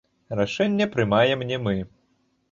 Рашэнне прымаем не мы.